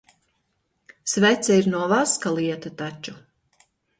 Svece ir no vaska lieta taču.